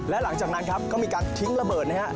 และหลังจากนั้นครับก็มีการทิ้งระเบิดนะครับ